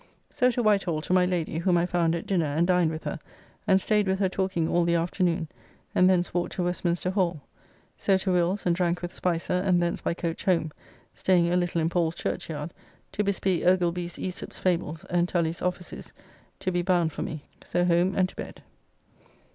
So to Whitehall to my Lady, whom I found at dinner and dined with her, and staid with her talking all the afternoon, and thence walked to Westminster Hall. So to Will's, and drank with Spicer, and thence by coach home, staying a little in Paul's Churchyard, to bespeak Ogilby's AEsop's Fables and Tully's Officys to be bound for me. So home and to bed.